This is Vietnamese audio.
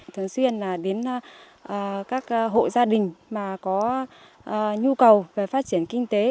thường xuyên là đến các hộ gia đình mà có nhu cầu về phát triển kinh tế